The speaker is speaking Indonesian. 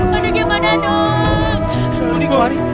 kau ada kebeneran